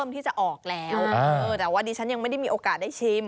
แต่วันนี้ฉันยังไม่ได้มีโอกาสได้ชิม